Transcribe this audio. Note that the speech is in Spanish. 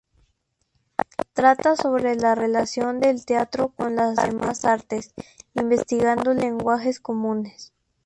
Trata sobre la relación del teatro con las demás artes, investigando lenguajes comunes.